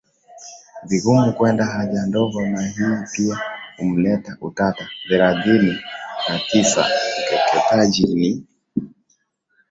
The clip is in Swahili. vigumu kwenda haja ndogo na hii pia umeleta utata Thelathini na tisa Ukeketaji ni